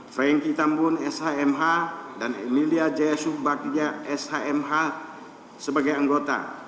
frankie tambun shmh dan emilia jayasubagnya shmh sebagai anggota